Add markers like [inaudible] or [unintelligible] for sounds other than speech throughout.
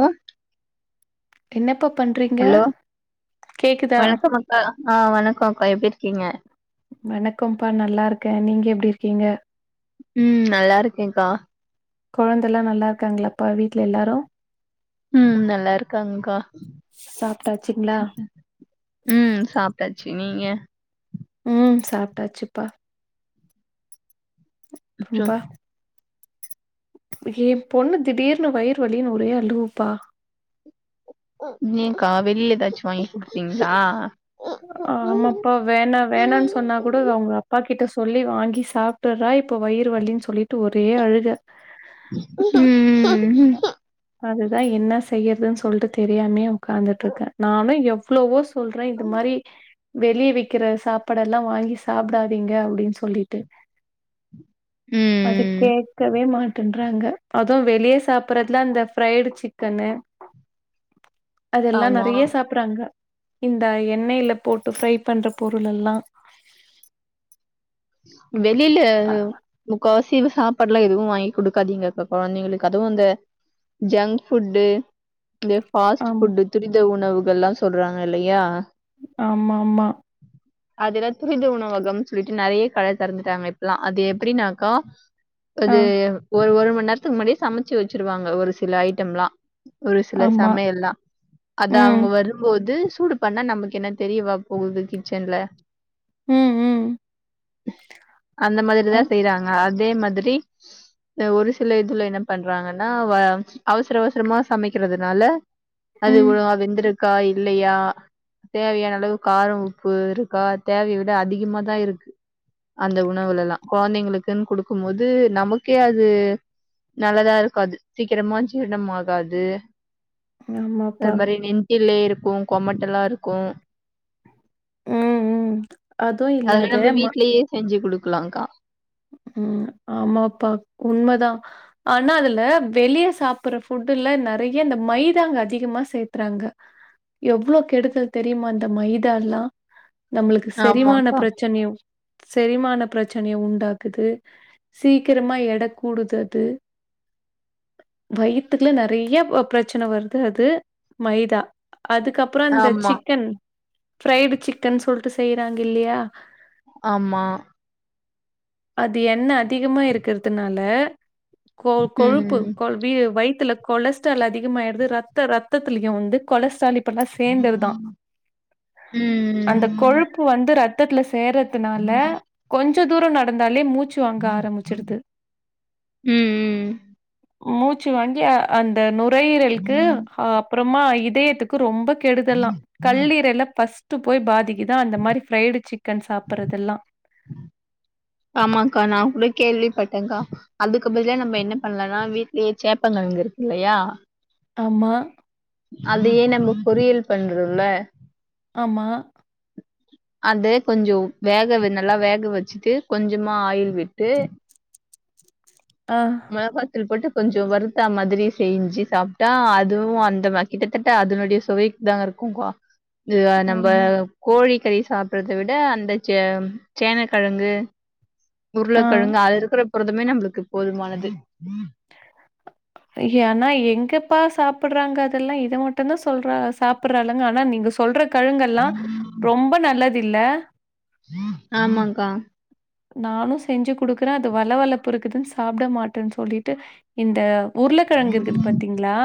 ஆ என்னப்பா பண்றீங்க ஹலோ கேக்குதா வணக்கம் ஆ வணக்கோ அக்கா எப்டி இருக்கீங்க வணக்கம்ப்பா நல்லா இருக்க நீங்க எப்டி இருக்கீங்க ம் நல்லா இருக்கேக்கா கொழந்தல்லா நல்லா இருக்காங்களாப்பா வீட்ல எல்லாரு ம் நல்லா இருக்காங்க்கா சாப்ட்டாச்சுங்களா ம் சாப்ட்டாச்சு நீங்க ம் சாப்ட்டாச்சுப்பா அச்சோ ம்ப்பா எ பொண்ணு திடீர்னு வயிறு வலின்னு ஒரே அழுவப்பா ஏக்கா வெளியல ஏதாச்சு வாங்கி குடுத்தீங்களா ஆமாப்பா வேணா வேணான்னு சொன்னா கூட அவுங்க அப்பா கிட்ட சொல்லி வாங்கி சாப்ட்டறா இப்ப வயிறு வலின் சொல்லிட்டு ஒரே அழுக ம் ம் ம் ஹும் அதுதா என்ன செய்யறதுன்னு சொல்ட்டு தெரியாமே உக்கார்ந்துட்டு இருக்கே நானு எவ்ளோவோ சொல்ற இந்த மாரி வெளிய விக்கிற சாப்பாடெல்லா வாங்கி சாப்டாதீங்க அப்டின்னு சொல்லிட்டு அத ம் கேட்கவே மாட்டேன்றாங்க அது வெளிய சாப்பறதுலா இந்த ஃப்ரைடு சிக்கனு அதெல்லா ஆமா நறைய சாப் பறாங்க இந்த எண்ணெயில போட்டு ஃப்ரை பண்ற பொருள் எல்லா வெளியில அ முக்காவாசி சாப் பாடுலா எதுவு வாங்கி குடுக்காதீங்கக்கா கொழந்தைங்களுக்கு அதுவு அந்த ஜங்க் ஃபுட்டு இந்த ஃபாஸ்ட் ஆமா. ஃபுட் டு துரித உணவுகல்லா சொல்றாங்க இல்லையா ஆமாமா அதுல்லா துரித உணவகம்னு சொல்லிட்டு நெறைய கட தொறந்துட்டாங்க இப்பல்லா அது எப்டின்னாக்கா ஆ அது ஒரு ஒரு மண் நேரத்துக்கு முன்னாடியே சமச்சு வச்சருவாங்க ஒரு சில ஐட்டம்லா ஒரு சில ஆமா. சமையல்லா அத ம். அவங்க வரு ம்போது சூடு பண்ணா நமக்கு என்ன தெரியவா போகுது கிச்சன்ல ம் ம் அந்த அ மாதிரிதா செய்றாங்க அதே மாதிரி எ ஒரு சில இதுல என்ன பண்றாங்கன்னா வ அவசர அவசரமா சமைக்கிறதுனால அது ம். ஒழுகா வெந்திருக்கா இல்லையா தேவையான அளவு காரம் உப்பு இருக்கா தேவைய விட அதிகமதா இருக்கு அந்த உணவுலல்லா கொழந்தைங்களுக்குன்னு குடுக்கும் போது நமக்கே அது நல்லதா இருக்காது சீக்கரமா ஜீரணம் ஆகாது ஆமாப்பா. ஒரு மாரி நெஞ்சுலே இருக்கு கொமட்டல்லா இருக்கு ம், ம். அதுவும் இல்ல அதல்லா அது நம்ம ம வீட்லேயே செஞ்சு குடுக்கலாக்கா ம் ஆமாப்பா உண்மதா ஆனா அதுல வெளிய சாப்படுற ஃபுட்டுல நெறைய இந்த மைதாங்க அதிகமா சேத்துறாங்க எவ்ளோ கெடுதல் தெரியுமா அந்த மைதால்லா நம்மளுக்கு செரிமான ஆமாக்கா. பிரச்சனையு செரிமான பிரச்சனைய உண்டாக் குது சீக்கிரமா எட கூடுது அது வயித்துக்லா நெறைய ப பிரச்சன வருது அது மைதா அதுக்கப் ப்றோ அந்த ஆமா, சிக்கன் ஃப்ரைடு சிக்கன் சொல்ட்டு செய்றாங்க இல்லையா ஆமா அது எண்ணெ அதிகமா இருக்கறதுனால கொ கொழுப்பு ம். கொழு வி வய்த்துல கொலஸ்ட்ரால் அதிகமாய்டுது ரத்த ரத்தத்லயு வந்து கொலஸ்ட்ரால் இப் ப்பெல்லா சேர்ந்ததுதா ம். அந்த கொழுப்பு வந்து ரத்தத்துல சேர துனால கொஞ்ச தூரோ நடந்தாலே மூச்சு வாங்க ஆரம்பிச்சுடுது ம். மூச்சு வாங்கி அ அந்த நுரையீரலுக்கு ஹா அப்பறமா இதயத்துக்கு ரொம்ப கெடுதல்லா கல்லீரல ஃபஸ்ட்டு போய் பாதிக்குதா அந்த மாரி ஃப்ரைடு சிக்கன் சாப்புடுறதெல்லா ஆமாங்க்கா நா கூட கேள்விப்பட்டேக்கா அதுக்கு பதிலா நம்ம என்ன பண்லானா வீட்லயே சேப்பங்கெழங்கு இருக் குல்லையா ஆமா அதையே நம்ம பொரியல் பண்றோல்ல ஆமா அது கொஞ்சொ உ வேக வெ நல்லா வேக வச்சுட்டு கொஞ்சமா ஆயில் விட்டு ஆ மெளகாத்தூள் போட்டு கொஞ்சொ வறுத்தா மாதிரி செய்ஞ்சு சாப்ட்டா அதுவு அந் துமா கிட்டத்தட்ட அதனுடைய சுவைக்குதாங்க இருக்குக்கா இது நம்ப ஆமா. கோழிக்கறி சாப்பறத விட அந்த சே சேனக்கெழங்கு ஆ உருளக்கெழங்கு அது இருக்கற புரதமே நம்மளுக்கு போதுமானது ஏனா எங்கப்பா சாப்புடுறாங்க அதெல்லா இத மட்டுந்தா சொல்றாக சாப்புடுறாளுங்க ஆனா நீங்க சொ சொல்ற கெழங்கல்லா ரொம்ப நல்லதில்ல ஆமாங்க்கா நானு செஞ்சு குடுக்குறே அது வள வளப்பு இருக்குதுன் சாப்ட மாட்டன் சொல்லிட்டு இந்த உருளக்கிழங்கு இருக்குது பாத்தீங்களா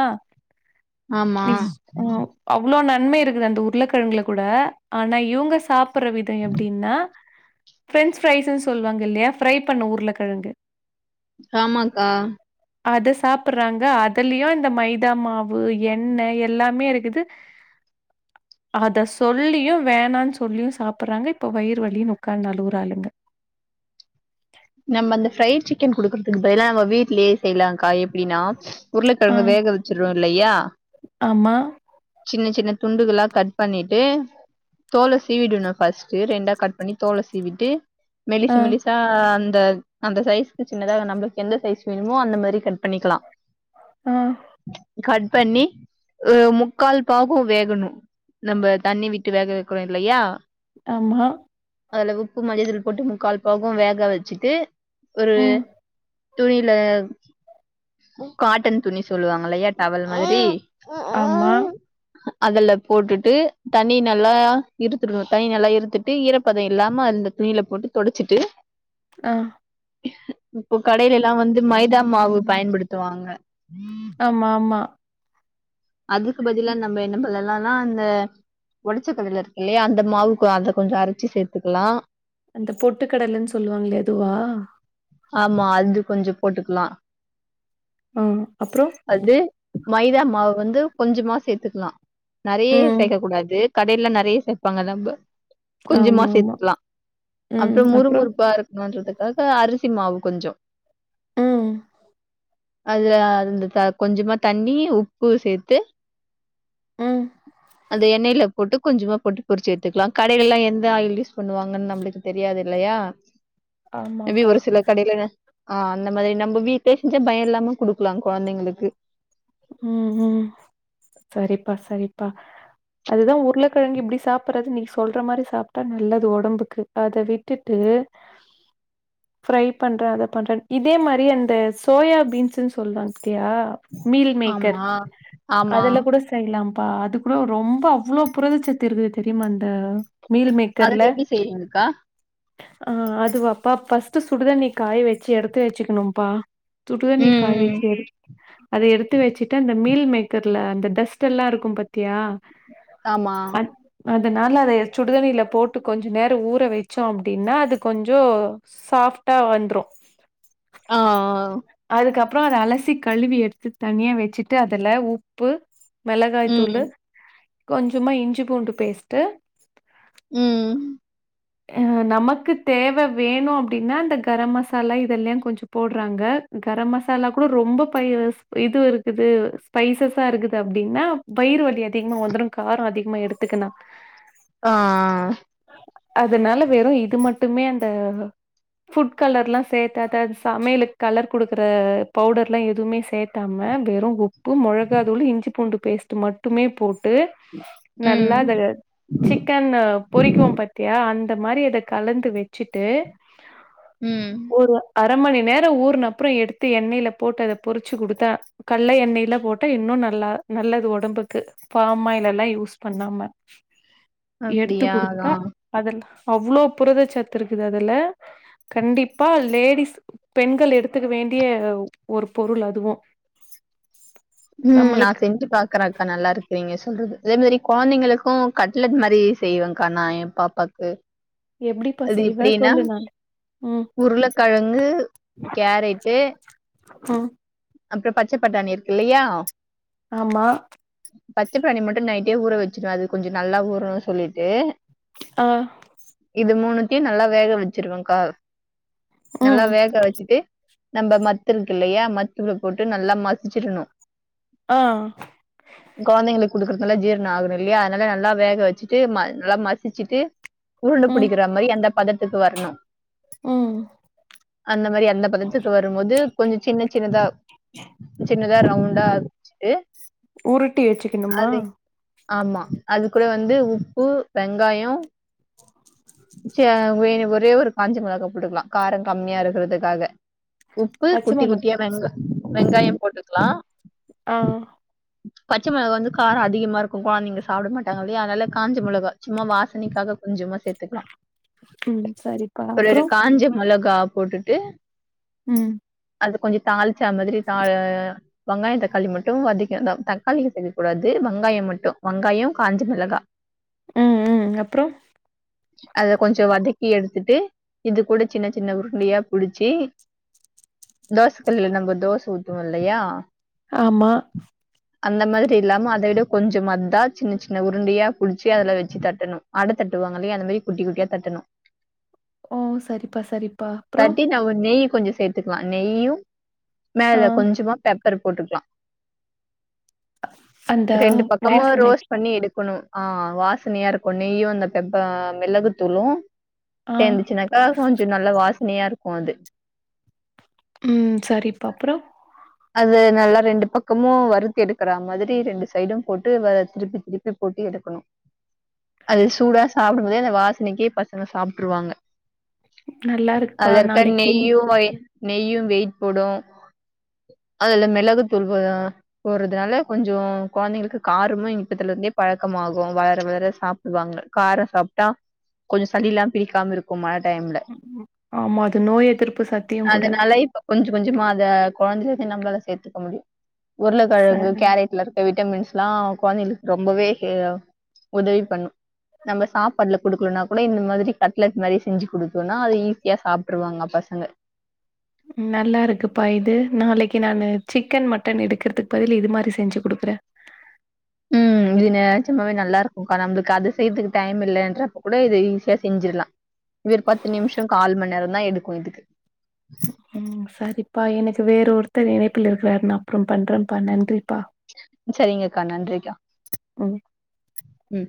ஆமா அவ்வளோ நன்மை இருக்குது அந்த உருளக்கிழங்குல கூட ஆனா இவுங்க சாப் ப்ற விதை அப்படின்னா பிரெஞ்ச் பிரரைஸ்ன்னு சொல்லுவாங்க இல்லையா பிரை பண்ண உருளைகிழங்கு காமாக்கா அது சாப்புடுறாங்க அதுலயு இந்த மைதா மாவு எண்ணெய் எல்லாமே இருக்குது அத சொல்லியு வேணான்னு சொல்லியு சாப்புடுறாங்க இப்ப வயிறு வலி உக்காந்து அளுவுருலுக நம்ம அந்த ஃப்ரைட் சிக்கன் குடுக்குறதுக்கு பதிலா நம்ம வீட்லயே செய்யலாம்க்கா எப்படின்னா ஆ உருளைக்கழங்க வேக வச்சுடுரோம் இல்லையா ஆமா சின்ன சின்ன துண்டுகளா கட் பண்ணிட்டு தோல சீவிடுணு பஸ்ட் ரெண்டா கட் பண்ணி தோலை சீவிட்டு மலிசு ஆ மலிசா அந் ந்த அந்த சைஸ்க்கு சின்னதாக நம்மளுக்கு எந்த சைஸ் வேணுமோ அந்த மாறி கட் பண்ணிக்கலா ஆ கட் பண்ணி முக்கால் பாகோ வேகணு நம்ம தண்ணி விட்டு வேக வைக்கிறோ இல்லயா ஆமா அதுல உப்பு மஞ்ச தூள் போட்டு முக்கால் பாகோ வேக வச் ச்சுட்டு ஒரு ம் துணில காட்டன் துணி சொல்லுவாங்கல்லையா டவல் மாரி ஆமா அதுல போட்டுட்டு தண்ணி நல்லா இருத்துரனு தண்ணி நல்லா இருத்துட் ட்டு ஈரப்பத இல்லாம அந்த துணில போட்டு துடச்சிட்டு ஆ இப்போ கடைலல்லா வந்து மைதா மாவு பயன்படுத்துவாங்க ஆமா ஆமா அதுக்கு பதிலா நம்ம என்ன பண் ணலல்லா அந்த உடைச்ச கடல இருக்கல்லையா அந்த மாவு அதை கொஞ்சோ அரைச்சு சேர்த்துக்கலா அந்த பொட்டு கடலன்னு சொல்லுவாங்களே அதுவா ஆமா அது கொஞ்சோ போட்டுக்கலா ஆ அப்றோ அது மைதா மாவ வந்து கொஞ்சமா சேர்த்துக்கலா நேறைய ம் சேக்க கூடாது கடைல்லா நேறைய சேர்பாங்க கொஞ்சமா ஆமா ஆமா சேர்த்துக்கலா ம் அப்றோ முறு அப்புறோ முறுப்பா இருக் பன்றதுக்காக அரிசி மாவு கொஞ்சோ உ அதுல அந்த கொஞ்சமா தண்ணி உப்பு சேத்து ம் அந்த எண்ணெய்ல போட்டு கொஞ்சமா போட்டு போரிச்சு எடுத்துக்கலா கடைலலா எந்த ஆயில் யூஸ் பண்ணுவாங்கன்னு நம்மளுக்கு தெரியாது இல்லையா ஆமாப்பா கடைலலா ஆ அந்த மாதிரி நம்ம வீட்லே செஞ்ச பயோ இல்லாம குடுக்கலா குழந்தைங்களுக்கு உ உ சரிப்பா சரிப்பா அதுதா உருளகெழங்கு இப்படி சாப்பிடுறது நீ சொல்ற மாரி சாப்ட்டா நல்லது உடம்புக்கு அத விட்டுட்டு ஃப்ரை பண்றே அத பண்றே இதே மாதிரி அந்த சோயா பீன்ஸ்னு சொல்வாங்க பாத்தியா மீல் மேக்கர் ஆமா ஆமா அதுல கூட ச செய்யலாம்பா அது கூட ரொம்ப அவ்ளோ புரதச்சத்து இருக்குது தெரியுமா அந்த மீல் மேக்கர்ல அதுல எப்டி செய்வீங்கக்கா ஆ அதுவாப்பா ஃபர்ஸ்ட்டு சுடுதண்ணி காய வெச்சி எடுத்து வெச்சிக்கணும்பா சுட்டு தண்ணிய ம் காய ம் வெச்சி எடு அத எடுத்து வெச்சிட்டு அந்த மீல் மேக்கர்ல அந்த டஸ்ட் எல்லா இருக்கு பத்தியா அமா அதனால அதய சுடுதண்ணில போட்டு கொஞ்ச நேரோ ஊற வெச்சோ அப்டின்னா அது கொஞ்சோ சாஃப்டா வந்ரோ ஆ ஆ அதுக்கப்றோ அத அலசி கழுவி எடுத்து தனியா வெச்சுட்டு அதுல உப்பு மொளகாய் தூளு ம் கொஞ்சமா இஞ்சி பூண்டு பேஸ்ட்டு ம் அ நமக்கு தேவ வேணோ அப்டின்னா இந்த கரம் மசாலா இதெல்லா கொஞ்சம் போடுறாங்க கரம் மசாலா கூட ரொம்ப பய் இது இருக்குது ஸ்பைசஸ்ஸா இருக்குது அப்டின்னா வயிறு வலி அதிகமா வந்துடு கரோ அதிகமா எடுத்துக்கண ஆ அதனால வெறு இது மட்டுமே அந்த ஃபுட் கலர்லா சேத்தாத அது சமையலுக் கலர் குடுக்குற பவுடர்லா எதுவுமே சேத் காம வெறு உப்பு மொழகாதூளு இஞ்சி பூண்டு பேஸ்ட்டு மட் ட்டுமே போட்டு ம் நல்லா அத சிக்கன்ன பொறிக்குவோ பாத் த்தியா அந்த மாரி அத கலந்து வெச்சிட்டு ம் ஒரு அர மணி நேரோ ஊர்ன அப்றோ எடுத்து எண்ணெயில போட்டு அத பொறிச்சு குடுத்தா கல்ல எண்ணெயில போட்டு இன்னு நல்லா நல்லது ஒடம்புக்கு பாம்மாயில் எல்லா யூஸ் பண்ணாம எடுத்து அப்டியா ஆ குடுத்தா அதல அவ்ளோ புரத சத்து இருக்குது அதல கண்டிப்பா லேடிஸ் பெண்கள் எடுத்துக்க வேண்டிய ஒரு பொருள் அதுவு ம் நா நம்மளுக்கு செஞ்சு பாக் பக்கறக்கா நல்லா இருக்கு நீங்க சொல்றது அதே மாரி கொழந்தைங்களுக்கு கட்லெட் மாரி செய்வேங்கா நா எயே பாப்பாக் கு எப்டிப்பா செய்வே சொல்லு நானு ம் உருளக்கெழங்கு கேரட்டு ம் அக்க பச்ச பட்டாணி இருக்குல்லையா ஆமா பச்சப்பட்டாணி மட்டு நைட்டே ஊற வெச்சிடுவே அது கொஞ்சோ நல்லா ஊறனுன்னு சொல்லிட்டு ஆ இது மூணுத்தையு நல்லா வேக வெச்சிருவேங்கா நல்லா ம் வேக வெச்சுட்டு நம்ப மத்து இருக்கு இல்லையா மத்துல போட்டு நல்லா மசிச்சிடணு ஆ கொழந்தைங்களுக்கு குடுக்கறதுனால ஜீர்ணோ ஆகணு இல்லையா அதனால நல்லா வேக வெச்சிட்டு ம நல்லா மசிச்சிட்டு உருண்ட ம் புடிக்கிறா மாதிரி அந்த பதத்துக்கு வர்ணு ம் அந்த மாரி அந்த பதத்துக்கு வரும்போது கொஞ்சோ சின்ன சின்னதா சின்னதா ரவுண்டா வெச்சிட்டு உருட்டி வெச்சிக்கணுமா ஆமா அது கூட வந்து உப்பு வெங்காயோ சே வே ஒரே ஒரு காஞ்ச மெளகா போட்டுக்கலா கார கம்மியா இருக்கறதுக்காக உப்பு பச்ச குட்டி மொள குட்டியா வெங்க வெங்காயம் போட்டுக்கலா ஆ பச்ச மிளகா வந்து காரோ அதிகமா இருக்கு கொழந்தைங்க சாப்ட மாட்டாங்க இல்லயா அதனால காஞ்ச மிளகா சும்மா வாசனைக்காக கொஞ்சமா சேத்துக்கலா ம் சரிப்பா ஒரு அப்றோ காஞ்ச மொளகா போட்டுட்டு ம் அது கொஞ்சோ தாளிச்சா மாதிரி தா வங்காயோ தக்காளி மட்டு வதக்கி தக்காளி சேக்க கூடாது வங்காயோ மட்டு வங்காயோ காஞ்ச மிளகா ம் ம் அப்றோ அத கொஞ்சோ வதக்கி எடுத்துட்டு இது கூட சின்ன சின்ன உருண்டயா புடுச்சு தோச கல்லுல நம்ம தோச ஊத்துவோ இல்லயா ஆமா அந்த மாரி இல்லாம அத விட கொஞ்ச மதா சின்ன சின்ன உருண்டயா புடுச்சு அதுல வெச்சு தட்டணு அட தட்டுவாங்கல்லயே அந்த மாரி குட்டி குட்டியா தட்டணு ஓ! சரிப்பா, சரிப்பா. அப்புறம்? தட்டி நம்ம நெய்யி கொஞ்சோ சேத்துக்கலா நெய்யு ஆ. மேல கொஞ்சமா பெப்பர் போட்டுக்கலா அந்த ரெண்டு பக்கமு ரோஸ் வாசனைக்கு. பண்ணி எடுக்கணு ஆ வாசனையா இருக்கு நெய்யு அந்த பெப்ப மிளகுத்தூளு ஆ. சேந்துச்சுனாக்கா கொஞ்சோ நல்லா வாசனையா இருக்கு அது ம் சரிப்பா அப்றோ அது நல்லா ரெண்டு பக்கமு வறுத்தி எடுக்கறா மாதிரி ரெண்டு சைடும் போட்டு திருப்பி திருப்பி போட்டு எடு க்கணு அது சூடா சாப்பிடும்போதே அந்த வாசனைக்கே பசங்க சாப்ட்ருவாங்க நல்லா இருக்குப்பா அதுல இருக்க நாளைக்கு. நெய்யு நெய்யு வெயிட் போடு அதுல மிளகுத்தூள் [unintelligible] போறதுனால கொஞ்சோ கொழந்தைங்களுக்கு காரமு இப்பத்துலந்தே பழக்கமாகு வளர வளர சாப் டுவாங்க காரோ சாப்ட்டா கொஞ்சோ சளி எல்லா பிரிக்காம இரு க்குமா டைம்ல ஆமா அது நோய் எதிர்ப்பு சத்தியு கூட கொஞ்சோ கொஞ்சமா அத கொழந்தைங்களுக்கு நம்மளால அத சேத்துக்க முடியு உருளக்கிழங்கு சரி. கேரட்ல இரு விட்டமின்ஸ்லா கொழந்தைகளுக்கு ரொம்பவே ஹெ உதவி பண்ணு நம்ம சாப்பாட்ல குடுக்கலனா கூட இந்த மாரி கட்லெட் மாரி செஞ்சு குடுத்தோனா அத ஈஸியா சாப்ட்ருவாங்க பசங்க நல்லா இருக்குப்பா இது நாளைக்கு நானு சிக்கன், மட்டன் எடுக்கறதுக்கு பதில் இது மாரி செஞ்சு குடுக்கற ம் இது நெஜமாவே நல்லா இருக்குன்க்கா நம்மளுக்கு அத செய்யறதுக்கு டைம் இல்லன்றப்ப கூட இத ஈஸியா செஞ்சிர்லா வெறு பத்து நிமிஷோ கால் மண் நேரந்தா எடுக்கு இதுக்கு ம் சரிப்பா எனக்கு வேற ஒருத்தர் இணைப்புல இருக்குறாரு நான் அப்றம் பண்றன்ப்பா நன்றிப்பா சரிங்கக்கா நன்றிக்கா ம். ம்